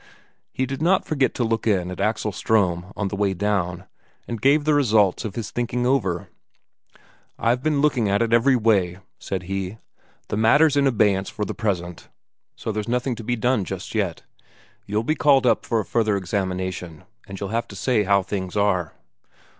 He did not forget to look in at Axel Ström on the way down, and give the results of his thinking over. "I've been looking at it every way," said he. "The matter's in abeyance for the present, so there's nothing to be done just yet. You'll be called up for a further examination, and you'll have to say how things are...."